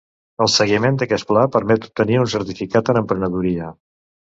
El seguiment d'aquest pla permet obtenir un certificat en emprenedoria.